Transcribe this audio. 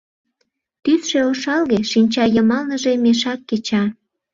Тӱсшӧ ошалге, Шинча йымалныже «мешак» кеча.